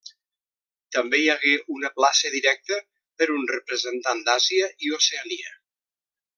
També hi hagué una plaça directa per un representant d'Àsia i Oceania.